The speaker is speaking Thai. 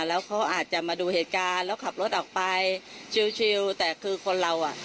แล้วเขาอาจจะมาดูเหตุการณ์แล้วขับรถออกไปชิวแต่คือคนเราอ่ะ